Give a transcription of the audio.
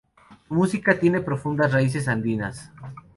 Su música tiene profundas raíces andinas.